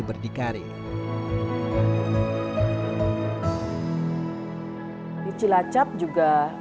berdikari di cilacap juga